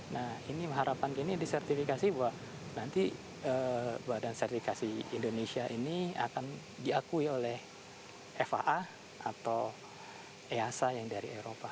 nah ini harapan ini disertifikasi bahwa nanti badan sertifikasi indonesia ini akan diakui oleh faa atau easa yang dari eropa